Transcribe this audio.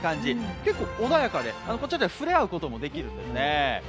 結構穏やかで、こちらでは触れ合うこともできるんですね。